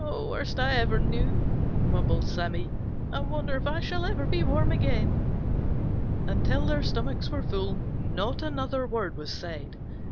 "Worst I ever knew," mumbled Sammy. "I wonder if I ever will be warm again." Until their stomachs were full, not another word was said.